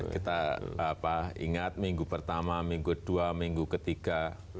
kita ingat minggu pertama minggu dua minggu ketiga